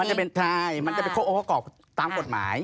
ใช่มันก็เป็นโค๊ก๊อบตามกฎหมาย